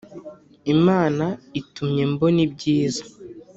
Imana itumye mbona ibyiza